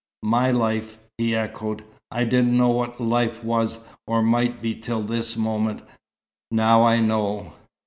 "My life!" he echoed. "I didn't know what life was or might be till this moment. Now I know."